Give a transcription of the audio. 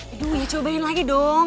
aduh ya cobain lagi dong